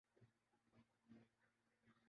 اور وہ کون سے کھلاڑی تھے ۔